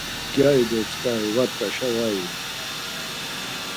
Gyari do tzǩari var t̆aşa var iven.